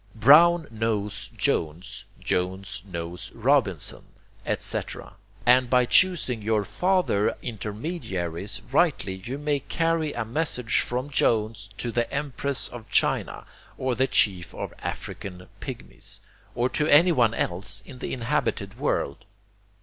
Brown knows Jones, Jones knows Robinson, etc.; and BY CHOOSING YOUR FARTHER INTERMEDIARIES RIGHTLY you may carry a message from Jones to the Empress of China, or the Chief of the African Pigmies, or to anyone else in the inhabited world.